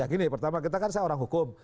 gini pertama kita kan saya orang hukum